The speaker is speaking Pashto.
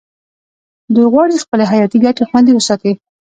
دوی غواړي خپلې حیاتي ګټې خوندي وساتي